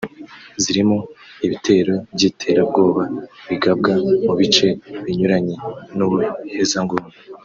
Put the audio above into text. zirimo ibitero by’iterabwoba bigabwa mu bice binyuranye n’ubuhezanguni